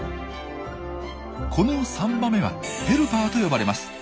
この３羽目は「ヘルパー」と呼ばれます。